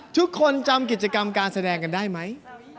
ทุกคนจำกิจกรรมการแสดงกันได้ไหม